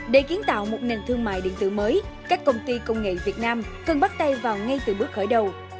để kiến tạo một nền thương mại điện tử mới các công ty công nghệ việt nam cần bắt tay vào ngay từ bước khởi đầu